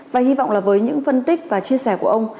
và hy vọng là với những phân tích và chia sẻ của ông